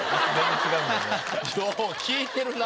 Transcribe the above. よう聞いてるな。